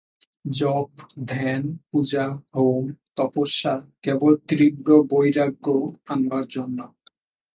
জপ, ধ্যান, পূজা, হোম, তপস্যা কেবল তীব্র বৈরাগ্য আনবার জন্য।